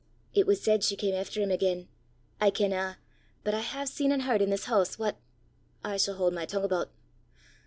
It was said she cam efter him again; I kenna; but I hae seen an' h'ard i' this hoose what I s' haud my tongue aboot!